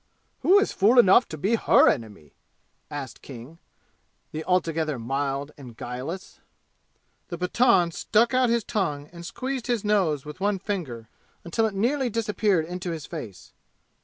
"Who is fool enough to be her enemy?" asked King, the altogether mild and guileless. The Pathan stuck out his tongue and squeezed his nose with one finger until it nearly disappeared into his face.